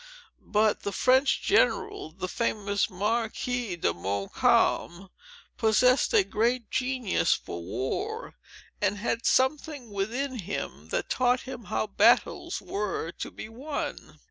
But the French general, the famous Marquis de Montcalm, possessed a great genius for war, and had something within him, that taught him how battles were to be won.